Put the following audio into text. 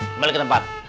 kembali ke tempat